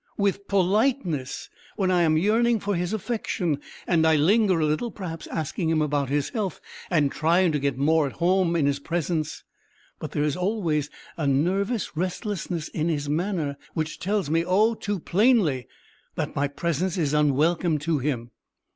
With politeness! when I am yearning for his affection: and I linger a little, perhaps, asking him about his health, and trying to get more at home in his presence. But there is always a nervous restlessness in his manner: which tells me,—oh, too plainly!—that my presence is unwelcome to him.